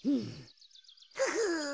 フフ